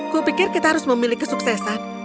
kupikir kita harus memiliki kesuksesan